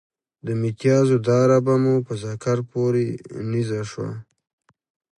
د متیازو داره به مو په ذکر پورې نیزه شوه.